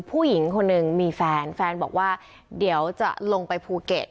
ผู้หญิงคนหนึ่งมีแฟนแฟนบอกว่าเดี๋ยวจะลงไปภูเก็ต